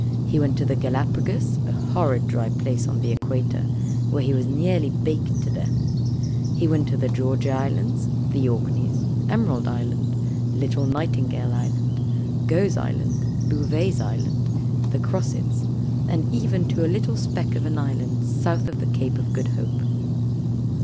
He went to the Gallapagos, a horrid dry place on the Equator, where he was nearly baked to death; he went to the Georgia Islands, the Orkneys, Emerald Island, Little Nightingale Island, Gough's Island, Bouvet's Island, the Crossets, and even to a little speck of an island south of the Cape of Good Hope.